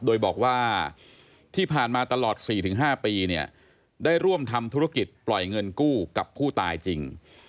โดยบอกว่าที่ผ่านมาตลอด๔๕ปีเนี่ยได้ร่วมทำธุรกิจปล่อยเงินกู้กับผู้ตายจริง